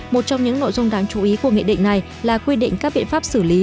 một trong những nội dung đáng chú ý của nghị định này là quy định các biện pháp xử lý